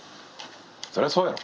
そりゃそうやろ！